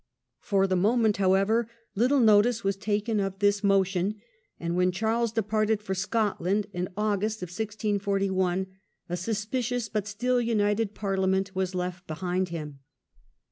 For the moment, how ever, little notice was taken of this motion, and when Charles departed for Scotland in August, 1641, a suspi cious but still united Parliament was left behind him.